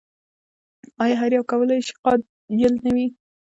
ایا هر یو کولای شي قایل نه وي؟